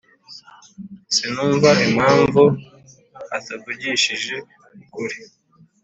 ] sinumva impamvu atavugishije ukuri.